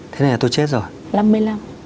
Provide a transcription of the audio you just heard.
thế này là tôi chết rồi